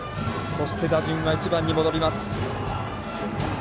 そして、打順は１番に戻ります。